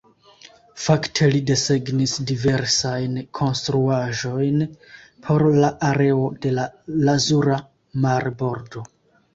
Fakte li desegnis diversajn konstruaĵojn por la areo de la Lazura Marbordo.